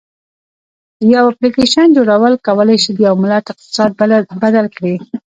د یو اپلیکیشن جوړول کولی شي د یو ملت اقتصاد بدل کړي.